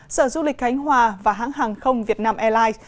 sở du lịch khánh hòa và hãng hàng không việt nam airlines